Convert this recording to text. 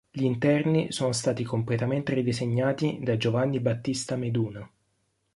Gli interni sono stati completamente ridisegnati da Giovanni Battista Meduna.